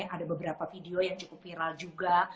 ada beberapa video yang cukup viral juga